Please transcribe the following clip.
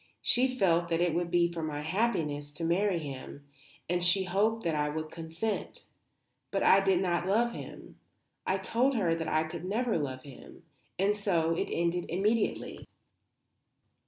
She felt that it would be for my happiness to marry him, and she hoped that I would consent. But I did not love him. I told her that I could never love him; and so it ended immediately.